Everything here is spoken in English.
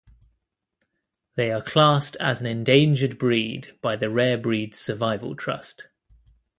They are classed as an endangered breed by the Rare Breeds Survival Trust.